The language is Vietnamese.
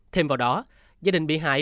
thêm vào đó gia đình bị hại